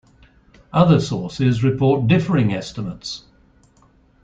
Other sources report differing estimates.